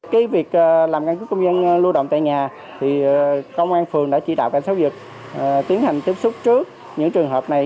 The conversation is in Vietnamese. cái việc làm căn cứ công dân lưu động tại nhà thì công an phường đã chỉ đạo cảnh sát giao dịch tiến hành tiếp xúc trước những trường hợp này